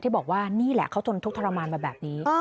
บอกว่านี่แหละเขาทนทุกข์ทรมานมาแบบนี้